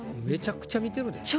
めちゃくちゃ見てるで。